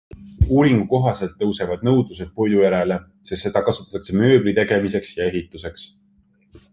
Uuringu kohaselt tõusevad nõudlused puidu järele, sest seda kasutatakse mööbli tegemiseks ja ehituseks.